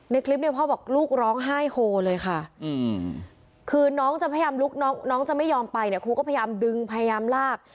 คลิปเนี่ยพ่อบอกลูกร้องไห้โฮเลยค่ะคือน้องจะพยายามลุกน้องจะไม่ยอมไปเนี่ยครูก็พยายามดึงพยายามลาก